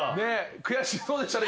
悔しそうでしたね